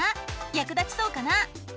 役立ちそうかな？